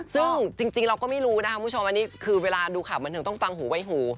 ซึ่งจริงเราก็ไม่รู้นะคะคุณผู้ชมอันนี้คือเวลาดูข่าวบันเทิงต้องฟังหูไว้หู